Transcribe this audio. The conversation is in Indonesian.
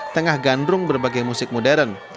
tengah gandrung berbagai musik modern